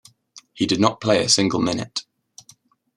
He did not play a single minute.